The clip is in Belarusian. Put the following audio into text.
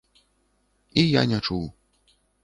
І я не чуў.